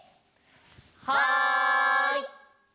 はい！